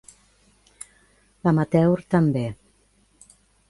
L'amateur, també.